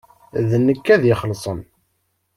D nekk ad ixellṣen.